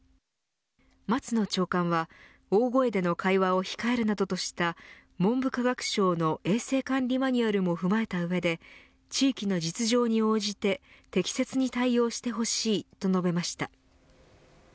松野長官は大声での会話を控えるなどとした文部科学省の衛生管理マニュアルも踏まえた上で地域の実情に応じて適切に対応してほしいと述べました。